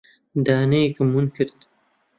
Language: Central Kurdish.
دانەیەکم ون کرد.